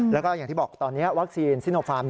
แล้วก็อย่างที่บอกตอนนี้วัคซีนซิโนฟาร์ม